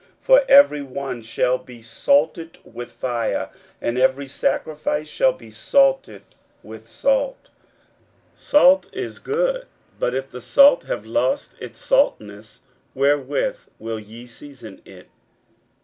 41:009:049 For every one shall be salted with fire, and every sacrifice shall be salted with salt. 41:009:050 Salt is good: but if the salt have lost his saltness, wherewith will ye season it?